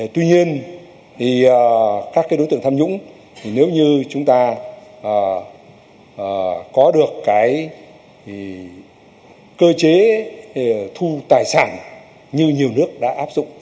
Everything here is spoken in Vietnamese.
tuy nhiên thì các đối tượng tham nhũng nếu như chúng ta có được cơ chế thu tài sản như nhiều nước đã áp dụng